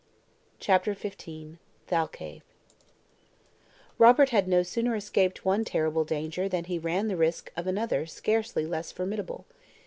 CHAPTER XV THALCAVE ROBERT had no sooner escaped one terrible danger than he ran the risk of another scarcely less formidable.